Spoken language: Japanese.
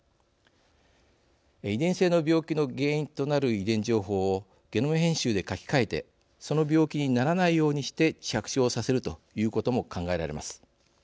遺伝性の病気の原因となる遺伝情報をゲノム編集で書き換えてその病気にならないようにして着床させるということも考えられます。